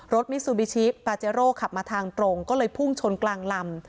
มิซูบิชิปาเจโร่ขับมาทางตรงก็เลยพุ่งชนกลางลำ